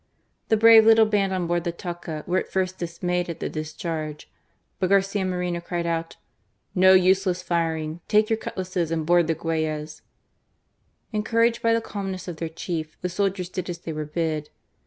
The brave little band on board the Talca were at first dismayed at the discharge ; but Garcia Moreno cried out :" No useless firing, take your cutlasses and board the Guayas^ Encouraged by the calmness of their chief, the soldiers did as they were bid.